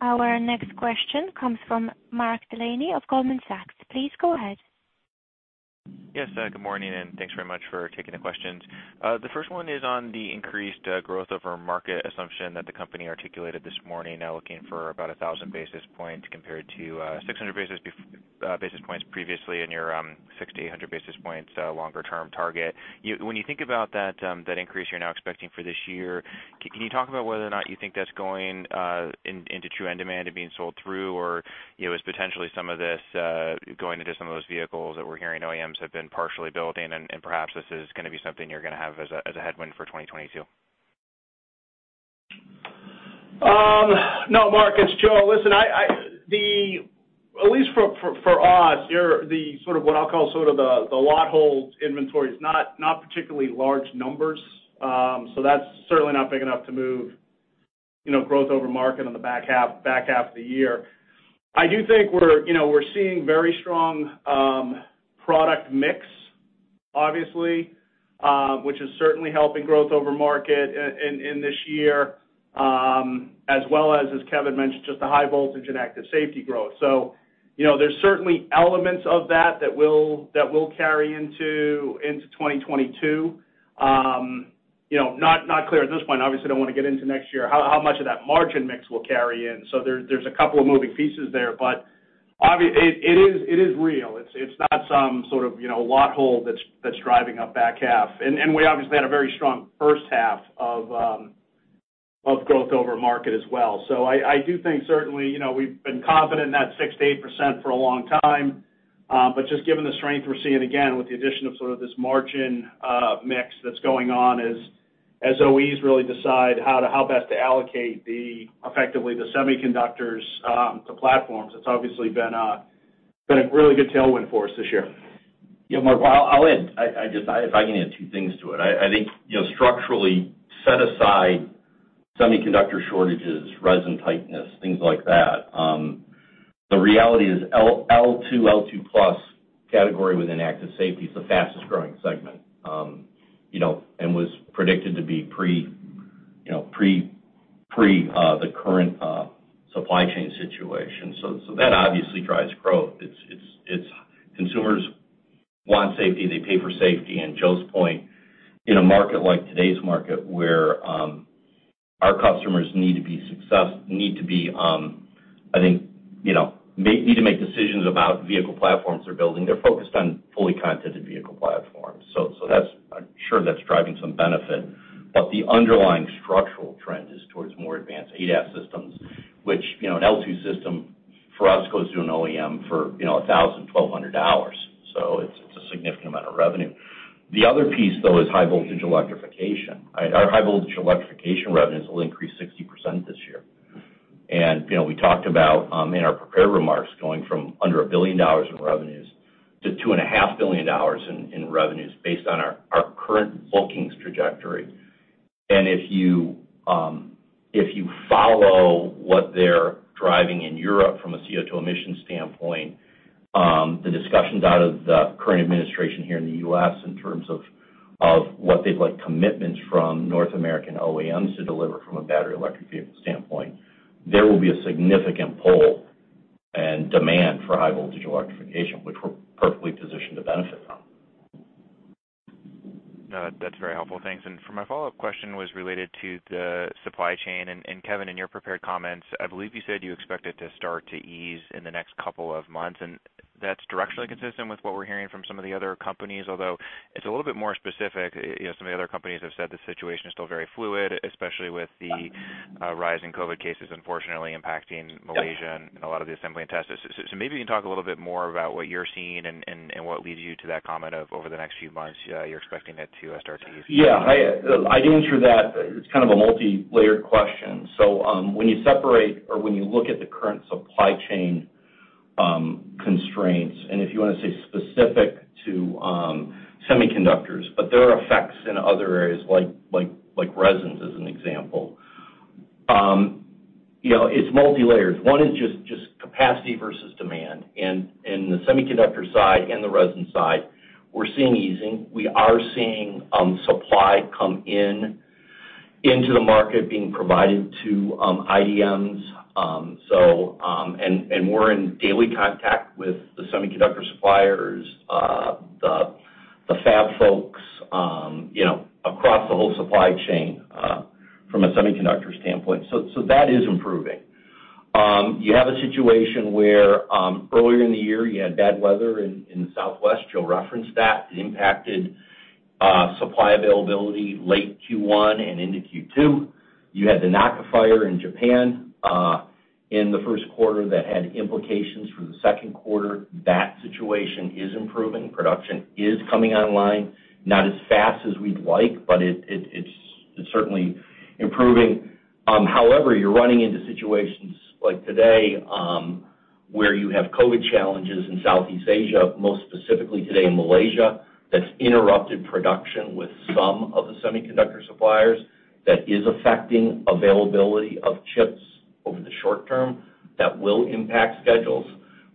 Our next question comes from Mark Delaney of Goldman Sachs. Please go ahead. Yes, good morning. Thanks very much for taking the questions. The first one is on the increased growth over market assumption that the company articulated this morning, looking for about 1,000 basis points compared to 600 basis points previously in your 600-800 basis points longer-term target. When you think about that increase you're now expecting for this year, can you talk about whether or not you think that's going into true end demand and being sold through or is potentially some of this going into some of those vehicles that we're hearing OEMs have been partially building, and perhaps this is going to be something you're going to have as a headwind for 2022? No, Mark, it's Joe. Listen, at least for us, what I'll call sort of the lot hold inventory is not particularly large numbers. That's certainly not big enough to move growth over market on the back half of the year. I do think we're seeing very strong product mix, obviously, which is certainly helping growth over market in this year, as well as Kevin mentioned, just the high voltage and active safety growth. There's certainly elements of that that will carry into 2022. Not clear at this point. Obviously, don't want to get into next year how much of that margin mix will carry in. There's a couple of moving pieces there, but it is real. It's not some sort of lot hold that's driving up the back half. We obviously had a very strong first half of growth over market as well. I do think certainly, we've been confident in that 6%-8% for a long time. Just given the strength we're seeing, again, with the addition of this margin mix that's going on as OEMs really decide how best to allocate effectively the semiconductors to platforms, it's obviously been a really good tailwind for us this year. Mark, I'll end. If I can add two things to it. I think structurally set aside semiconductor shortages, resin tightness, things like that. The reality is L2+ category within active safety is the fastest growing segment and was predicted to be pre the current supply chain situation. That obviously drives growth. Consumers want safety. They pay for safety. Joe's point, in a market like today's market where our customers need to make decisions about vehicle platforms they're building, they're focused on fully contented vehicle platforms. I'm sure that's driving some benefit, but the underlying structural trend is towards more advanced ADAS systems, which an L2 system for us goes to an OEM for $1,000, $1,200. It's a significant amount of revenue. The other piece, though, is high voltage electrification. Our high voltage electrification revenues will increase 60% this year. We talked about in our prepared remarks going from under $1 billion in revenues to $2.5 billion in revenues based on our current bookings trajectory. If you follow what they're driving in Europe from a CO2 emission standpoint, the discussions out of the current administration here in the U.S. in terms of what they'd like commitments from North American OEMs to deliver from a battery electric vehicle standpoint, there will be a significant pull and demand for high voltage electrification, which we're perfectly positioned to benefit from. No, that's very helpful. Thanks. For my follow-up question was related to the supply chain. Kevin, in your prepared comments, I believe you said you expect it to start to ease in the next couple of months, and that's directionally consistent with what we're hearing from some of the other companies, although it's a little bit more specific. Some of the other companies have said the situation is still very fluid, especially with the rising COVID cases unfortunately impacting Malaysia and a lot of the assembly and tests. Maybe you can talk a little bit more about what you're seeing and what leads you to that comment of over the next few months you're expecting it to start to ease. Yeah. I can answer that. It's kind of a multi-layered question. When you separate or when you look at the current supply chain constraints, and if you want to say specific to semiconductors, but there are effects in other areas like resins as an example. It's multi-layered. One is just capacity versus demand. In the semiconductor side and the resin side, we're seeing easing. We are seeing supply come into the market being provided to IDMs. We're in daily contact with the semiconductor suppliers, the fab folks across the whole supply chain from a semiconductor standpoint. That is improving. You have a situation where earlier in the year you had bad weather in the Southwest. Joe referenced that. It impacted supply availability late Q1 and into Q2. You had the Naka fire in Japan in the first quarter that had implications for the second quarter. That situation is improving. Production is coming online. Not as fast as we'd like, it's certainly improving. You're running into situations like today, where you have COVID challenges in Southeast Asia, most specifically today in Malaysia, that's interrupted production with some of the semiconductor suppliers that is affecting availability of chips over the short term. That will impact schedules.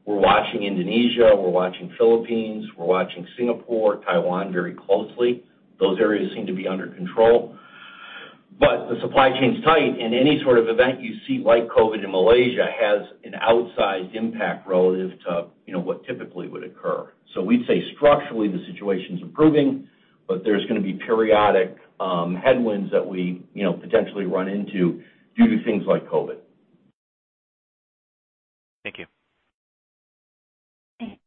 We're watching Indonesia, we're watching Philippines, we're watching Singapore, Taiwan very closely. Those areas seem to be under control. The supply chain's tight, and any sort of event you see like COVID in Malaysia has an outsized impact relative to what typically would occur. We'd say structurally, the situation's improving, but there's going to be periodic headwinds that we potentially run into due to things like COVID. Thank you. Okay.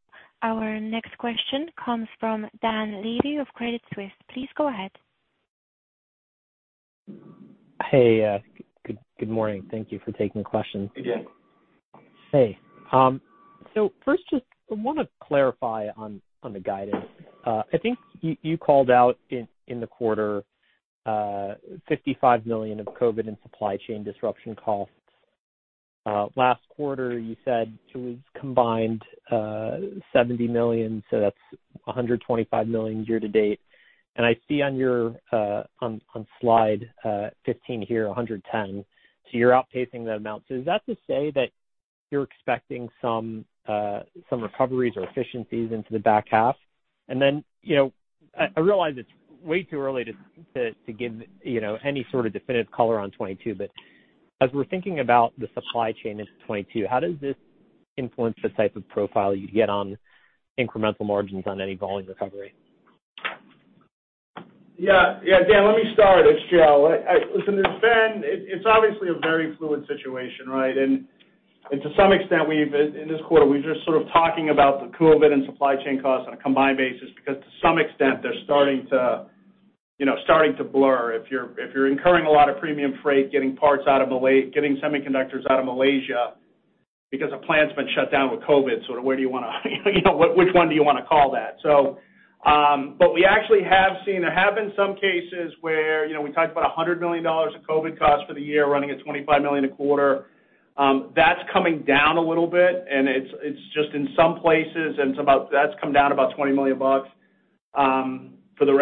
Our next question comes from Dan Levy of Credit Suisse. Please go ahead. Hey, good morning. Thank you for taking the question. Hey, Dan. Hey. First, just I want to clarify on the guidance. I think you called out in the quarter, $55 million of COVID-19 and supply chain disruption costs. Last quarter, you said it was combined $70 million, so that's $125 million year-to-date. I see on slide 15 here, $110. You're outpacing the amount. Is that to say that you're expecting some recoveries or efficiencies into the back half? Then, I realize it's way too early to give any sort of definitive color on 2022, but as we're thinking about the supply chain into 2022, how does this influence the type of profile you'd get on incremental margins on any volume recovery? Yeah. Dan, let me start. It's Joe. Listen, it's obviously a very fluid situation, right? To some extent, in this quarter, we're just sort of talking about the COVID and supply chain costs on a combined basis because to some extent, they're starting to blur. If you're incurring a lot of premium freight, getting semiconductors out of Malaysia because a plant's been shut down with COVID, which one do you want to call that? We actually have seen there have been some cases where we talked about $100 million of COVID costs for the year, running at $25 million a quarter. That's coming down a little bit, and it's just in some places, and that's come down about $20 million for the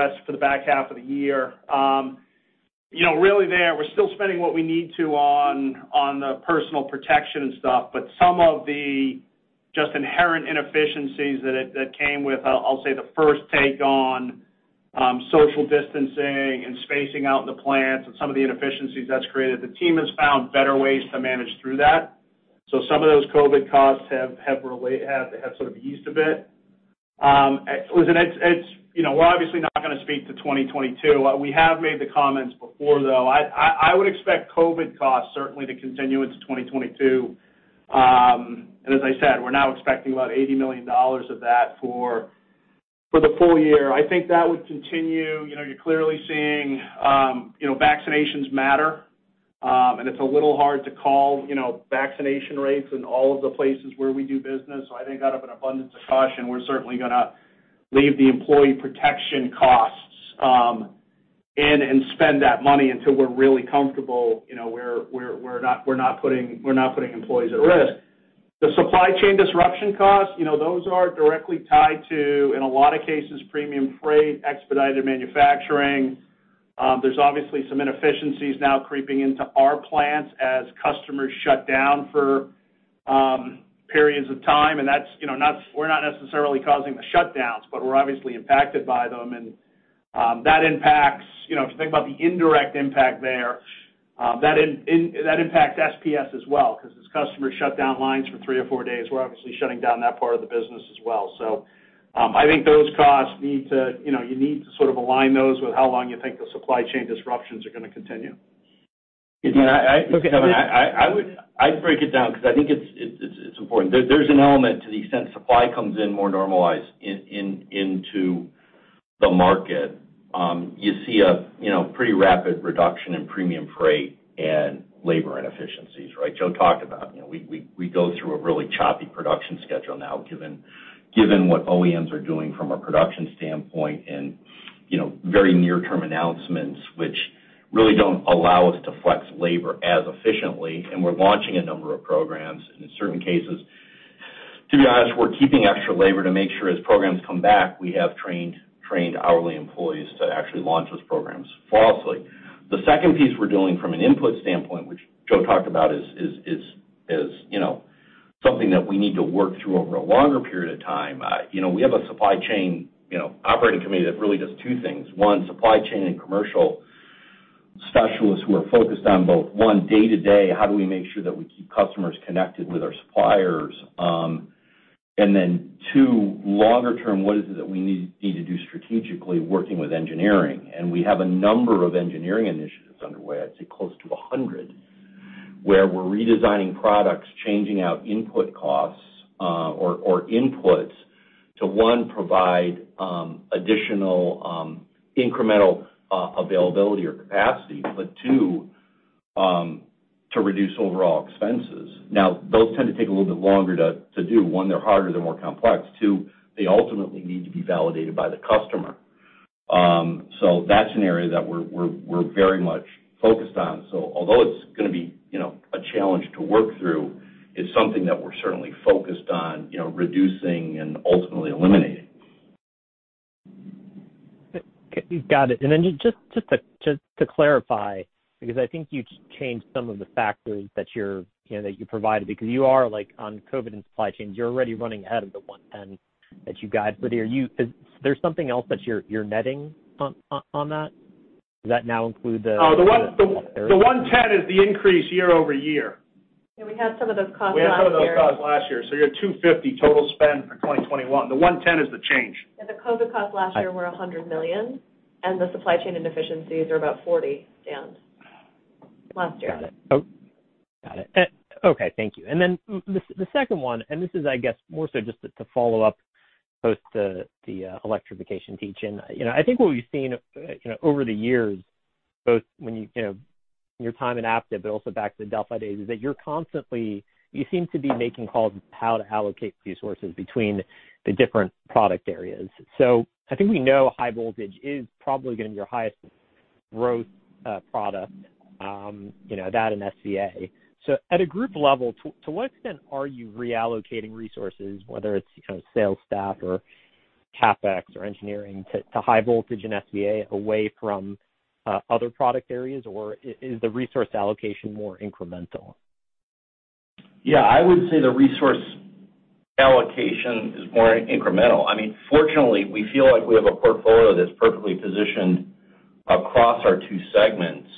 back half of the year. We're still spending what we need to on the personal protection and stuff, some of the just inherent inefficiencies that came with, I'll say, the first take on social distancing and spacing out in the plants and some of the inefficiencies that's created. The team has found better ways to manage through that. Some of those COVID costs have sort of eased a bit. We're obviously not going to speak to 2022. We have made the comments before, though. I would expect COVID costs certainly to continue into 2022. As I said, we're now expecting about $80 million of that for the full year. I think that would continue. You're clearly seeing vaccinations matter. It's a little hard to call vaccination rates in all of the places where we do business. I think out of an abundance of caution, we're certainly going to leave the employee protection costs in and spend that money until we're really comfortable we're not putting employees at risk. The supply chain disruption costs, those are directly tied to, in a lot of cases, premium freight, expedited manufacturing. There's obviously some inefficiencies now creeping into our plants as customers shut down for periods of time, and we're not necessarily causing the shutdowns, but we're obviously impacted by them. If you think about the indirect impact there, that impacts SPS as well, because as customers shut down lines for three or four days, we're obviously shutting down that part of the business as well. I think those costs, you need to sort of align those with how long you think the supply chain disruptions are going to continue. Yeah. I would break it down because I think it's important. There's an element to the extent supply comes in more normalized into the market. You see a pretty rapid reduction in premium freight and labor inefficiencies, right? Joe talked about we go through a really choppy production schedule now, given what OEMs are doing from a production standpoint and very near-term announcements, which really don't allow us to flex labor as efficiently. We're launching a number of programs. In certain cases, to be honest, we're keeping extra labor to make sure as programs come back, we have trained hourly employees to actually launch those programs flawlessly. The second piece we're doing from an input standpoint, which Joe talked about is something that we need to work through over a longer period of time. We have a supply chain operating committee that really does two things. One, supply chain and commercial specialists who are focused on both, one, day to day, how do we make sure that we keep customers connected with our suppliers? Then two, longer term, what is it that we need to do strategically working with engineering? We have a number of engineering initiatives underway, I'd say close to 100, where we're redesigning products, changing out input costs or inputs to, one, provide additional incremental availability or capacity, two, to reduce overall expenses. Those tend to take a little bit longer to do. One, they're harder, they're more complex. Two, they ultimately need to be validated by the customer. That's an area that we're very much focused on. Although it's going to be a challenge to work through, it's something that we're certainly focused on reducing and ultimately eliminating. Got it. Just to clarify, because I think you changed some of the factors that you provided, because you are on COVID and supply chain, you're already running ahead of the $110 that you guide for the year. Is there something else that you're netting on that? Does that now include the. Oh, the $110 is the increase year-over-year. Yeah, we had some of those costs last year. We had some of those costs last year. You're at $250 total spend for 2021. The $110 is the change. Yeah. The COVID costs last year were $100 million. The supply chain inefficiencies are about $40, Dan. Last year. Got it. Okay. Thank you. The second one, this is, I guess, more so just to follow up, post the electrification teach-in. I think what we've seen over the years, both in your time at Aptiv, but also back to the Delphi days, is that you're constantly making calls how to allocate resources between the different product areas. I think we know high voltage is probably going to be your highest growth product, that and SVA. At a group level, to what extent are you reallocating resources, whether it's sales staff or CapEx or engineering to high voltage and SVA away from other product areas? Or is the resource allocation more incremental? Yeah, I would say the resource allocation is more incremental. Fortunately, we feel like we have a portfolio that's perfectly positioned across our two segments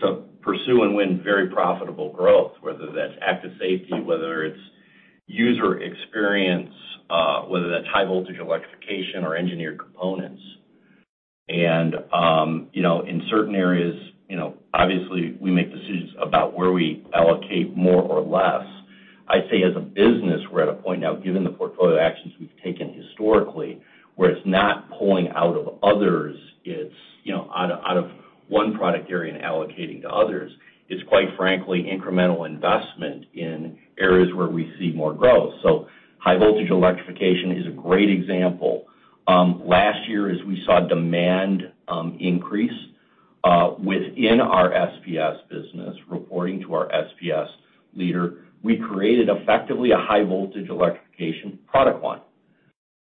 to pursue and win very profitable growth, whether that's active safety, whether it's user experience, whether that's high voltage electrification or Engineered Components. In certain areas, obviously, we make decisions about where we allocate more or less. I'd say as a business, we're at a point now, given the portfolio actions we've taken historically, where it's not pulling out of others, out of one product area and allocating to others. It's quite frankly, incremental investment in areas where we see more growth. High voltage electrification is a great example. Last year, as we saw demand increase within our SPS business, reporting to our SPS leader, we created effectively a high voltage electrification product line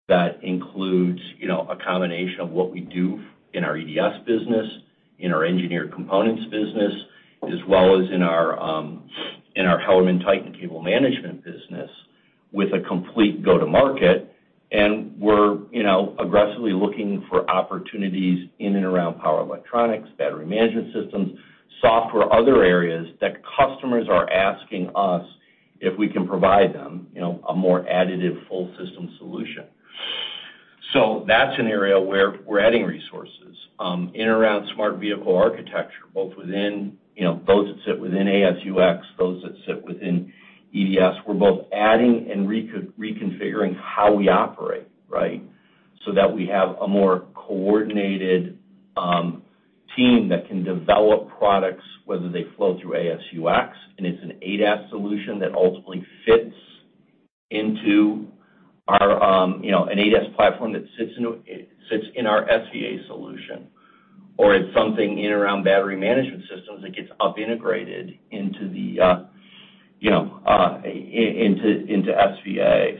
that includes a combination of what we do in our EDS business, in our Engineered Components business, as well as in our HellermannTyton cable management business with a complete go-to-market. We're aggressively looking for opportunities in and around power electronics, battery management systems, software, other areas that customers are asking us if we can provide them a more additive full system solution. That's an area where we're adding resources. In around Smart Vehicle Architecture, both that sit within AS&UX, those that sit within EDS, we're both adding and reconfiguring how we operate, right? That we have a more coordinated team that can develop products, whether they flow through AS&UX, and it's an ADAS solution that ultimately fits into an ADAS platform that sits in our SVA solution, or it's something in and around battery management systems that gets up integrated into SVA.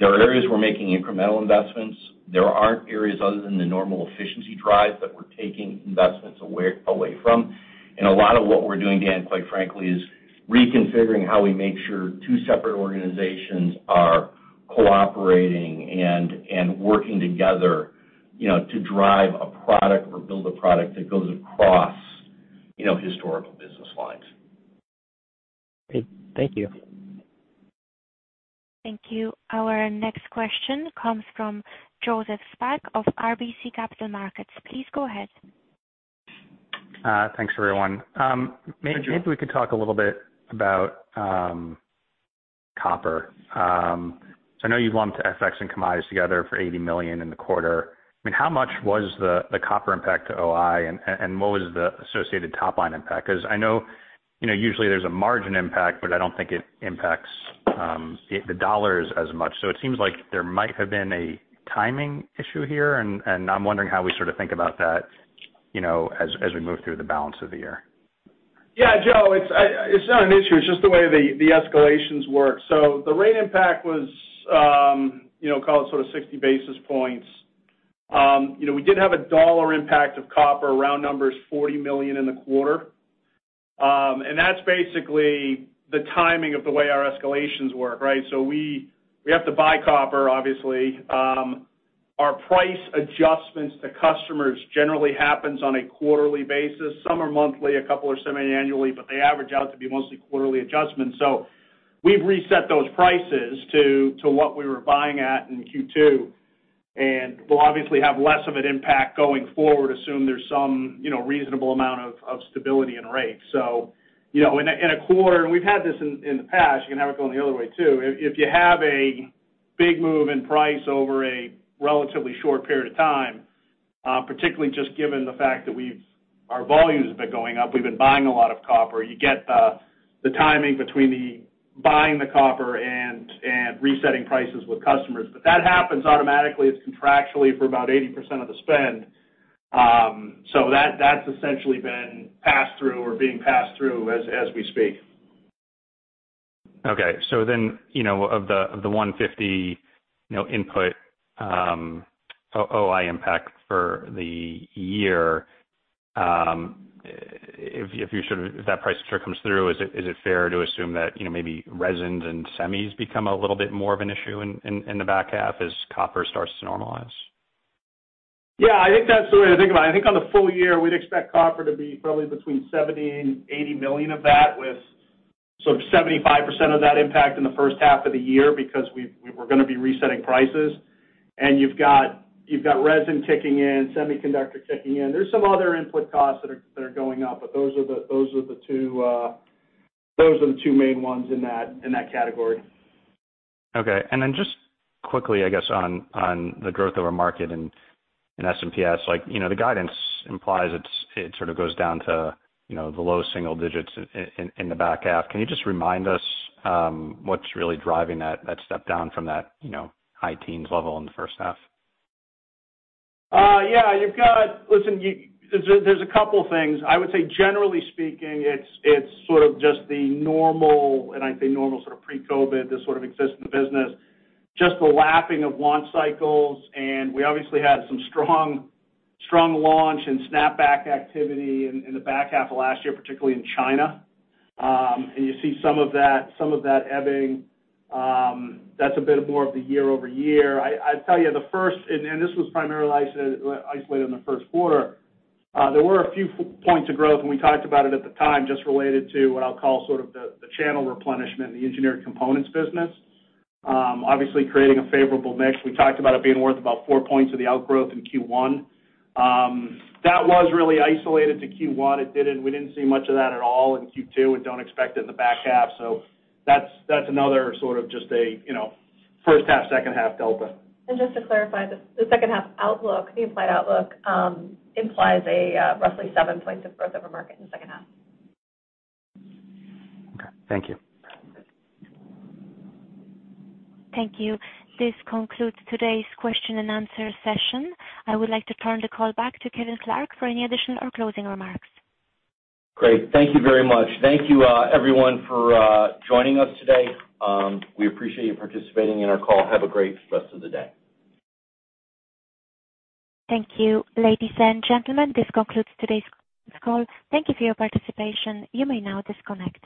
There are areas we're making incremental investments. There aren't areas other than the normal efficiency drive that we're taking investments away from. A lot of what we're doing, Dan, quite frankly, is reconfiguring how we make sure two separate organizations are cooperating and working together to drive a product or build a product that goes across historical business lines. Great. Thank you. Thank you. Our next question comes from Joseph Spak of RBC Capital Markets. Please go ahead. Thanks, everyone. Hi, Joe. Maybe if we could talk a little bit about copper. I know you've lumped FX and commodities together for $80 million in the quarter. How much was the copper impact to OI and what was the associated top-line impact? Because I know usually there's a margin impact, but I don't think it impacts the dollars as much. It seems like there might have been a timing issue here, and I'm wondering how we think about that as we move through the balance of the year. Yeah, Joe, it's not an issue. It's just the way the escalations work. The rate impact was, call it 60 basis points. We did have a dollar impact of copper, round numbers, $40 million in the quarter. That's basically the timing of the way our escalations work, right? We have to buy copper, obviously. Our price adjustments to customers generally happens on a quarterly basis. Some are monthly, a couple are semi-annually, but they average out to be mostly quarterly adjustments. We've reset those prices to what we were buying at in Q2, and we'll obviously have less of an impact going forward, assume there's some reasonable amount of stability in rates. In a quarter, and we've had this in the past, you can have it going the other way, too. If you have a big move in price over a relatively short period of time. Particularly just given the fact that our volume has been going up. We've been buying a lot of copper. You get the timing between the buying the copper and resetting prices with customers. That happens automatically. It's contractually for about 80% of the spend. That's essentially been passed through or being passed through as we speak. Of the $150 input OI impact for the year, if that price comes through, is it fair to assume that maybe resins and semis become a little bit more of an issue in the back half as copper starts to normalize? Yeah, I think that's the way to think about it. I think on the full year, we'd expect copper to be probably between $70 million and $80 million of that, with sort of 75% of that impact in the first half of the year because we're going to be resetting prices. You've got resin ticking in, semiconductor ticking in. There's some other input costs that are going up, but those are the two main ones in that category. Okay. Just quickly, I guess, on the growth of our market in SPS, the guidance implies it sort of goes down to the low single digits in the back half. Can you just remind us what's really driving that step-down from that high teens level in the first half? Yeah. Listen, there's a couple things. I would say generally speaking, it's sort of just the normal, and I'd say normal sort of pre-COVID, this sort of exists in the business, just the lapping of launch cycles. We obviously had some strong launch and snapback activity in the back half of last year, particularly in China. You see some of that ebbing. That's a bit more of the year-over-year. I'd tell you the first, and this was primarily isolated in the first quarter, there were a few points of growth, and we talked about it at the time, just related to what I'll call sort of the channel replenishment in the Engineered Components business. Obviously creating a favorable mix. We talked about it being worth about 4 points of the outgrowth in Q1. That was really isolated to Q1. We didn't see much of that at all in Q2 and don't expect it in the back half. That's another sort of just a first half, second half delta. Just to clarify, the second half outlook, the implied outlook, implies a roughly seven points of growth over market in the second half. Okay. Thank you. Thank you. This concludes today's question-and-answer session. I would like to turn the call back to Kevin Clark for any additional or closing remarks. Great. Thank you very much. Thank you, everyone, for joining us today. We appreciate you participating in our call. Have a great rest of the day. Thank you, ladies and gentlemen. This concludes today's call. Thank you for your participation. You may now disconnect.